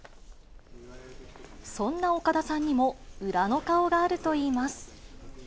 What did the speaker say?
そんな岡田さんにも、裏の顔があるといいます。